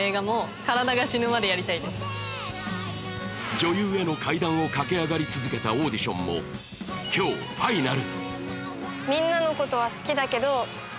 女優への階段を駆け上がり続けたオーデションも今日、ファイナル。